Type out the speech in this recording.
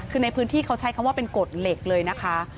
คือในพื้นที่เขาใช้คำว่าเป็นกฎเหล็กเลยนะคะ